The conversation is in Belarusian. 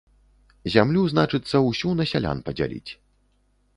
Зямлю, значыцца, усю на сялян падзяліць.